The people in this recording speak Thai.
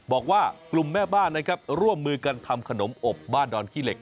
บอกว่ากลุ่มแม่บ้านนะครับร่วมมือกันทำขนมอบบ้านดอนขี้เหล็